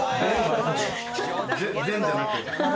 善じゃなく。